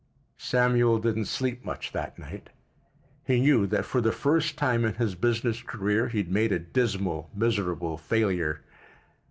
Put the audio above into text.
Samuel didn't sleep much that night. He knew that for the first time in his business career he had made a dismal, miserable failure.